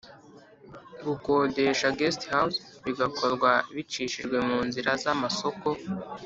gukodesha Guest House bigakorwa bicishijwe mu nzira z amasoko